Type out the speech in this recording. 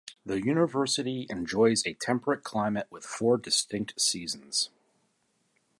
The university enjoys a temperate climate with four distinct seasons.